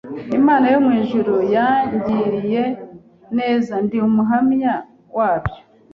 Imana yo mu ijuru yangiriye neza ndi umuhamya wabyo